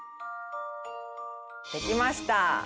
できました！